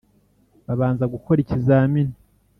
Babanza gukora ikizamini.